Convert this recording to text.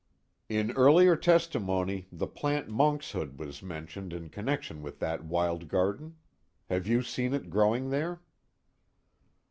"In earlier testimony, the plant monkshood was mentioned in connection with that wild garden. Have you seen it growing there?"